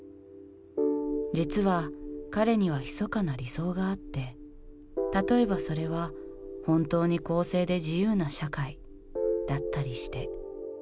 実は彼にはひそかな理想があって例えばそれは本当に公正で自由な社会だったりして。